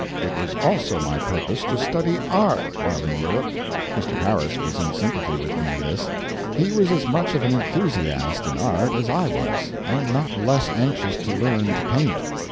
It was also my purpose to study art while in Europe. Mr. Harris was in sympathy with me in this. He was as much of an enthusiast in art as I was, and not less anxious to learn to paint.